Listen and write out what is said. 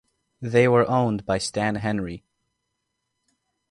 They were owned by Stan Henry.